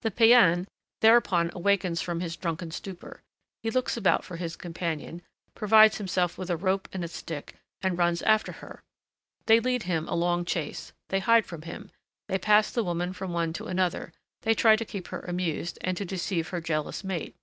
The païen thereupon awakes from his drunken stupor; he looks about for his companion, provides himself with a rope and a stick, and runs after her. They lead him a long chase, they hide from him, they pass the woman from one to another, they try to keep her amused, and to deceive her jealous mate.